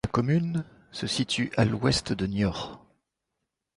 La commune se situe à l'ouest de Niort.